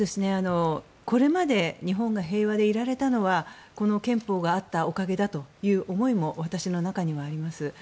これまで日本が平和でいられたのはこの憲法があったおかげだという思いも私の中にはあります。